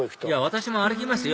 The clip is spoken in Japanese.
私も歩きますよ